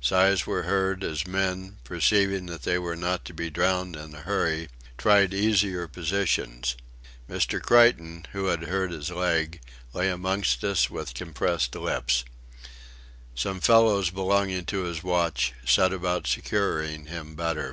Sighs were heard, as men, perceiving that they were not to be "drowned in a hurry," tried easier positions. Mr. Creighton, who had hurt his leg, lay amongst us with compressed lips. Some fellows belonging to his watch set about securing him better.